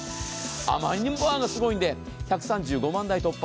あまりにもすごいので、１３５万台突破。